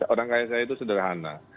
orang kaya saya itu sederhana